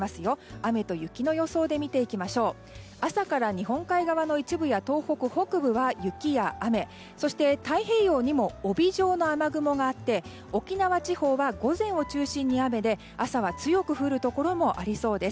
雨と雪の予想で見ていきましょう朝から日本海側の一部や東北北部は雪や雨太平洋にも帯状の雨雲があって沖縄地方は午前を中心に雨で朝は強く降るところもありそうです。